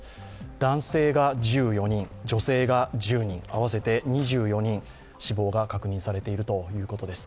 男性が１４人、女性が１０人、合わせて２４人、死亡が確認されているということです。